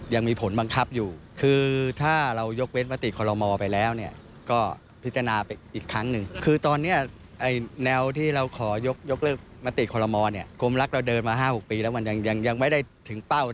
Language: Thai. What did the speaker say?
ได้๑ปีก็เลยถึงให้บริษัทที่โรงงาน